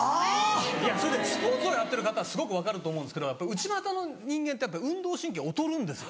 それでスポーツをやってる方はすごく分かると思うんですけど内股の人間ってやっぱ運動神経劣るんですよ。